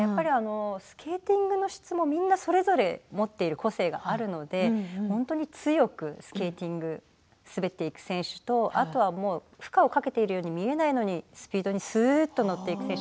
スケーティングの質も皆、それぞれ持っている個性があるので本当に強くスケーティング滑っていく選手と、あとは負荷をかけているように見えないのに、スピードに乗っていく選手